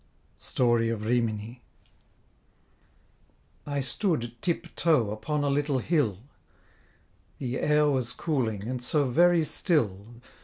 STORY OF RIMINI. I stood tip toe upon a little hill, The air was cooling, and so very still.